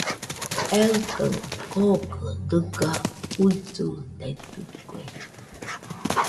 eikaɨ kookɨ dɨga uillɨtaitɨkue.